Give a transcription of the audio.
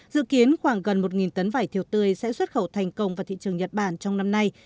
dự kiến khoảng gần một tấn vải thiều tươi sẽ xuất khẩu thành công vào thị trường nhật bản trong năm nay